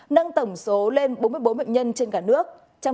nâng tổng số lên bốn mươi bốn bệnh nhân trên cả nước